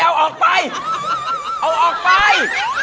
เอาออกไป